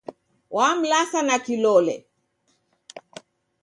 Wamlasa na kilole.